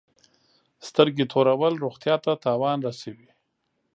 سترګي تورول روغتیا ته تاوان رسوي.